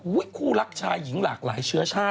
คู่รักชายหญิงหลากหลายเชื้อชาติ